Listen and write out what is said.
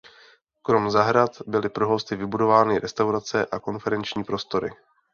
Krom zahrad byly pro hosty vybudovány restaurace a konferenční prostory.